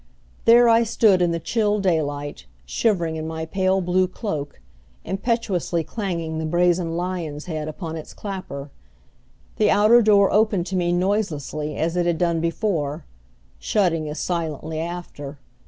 There I stood in the chill daylight, shivering in my pale blue cloak, impetuously clanging the brazen lion's head upon its clapper. The outer door opened to me noiselessly as it had done before, shutting as silently after.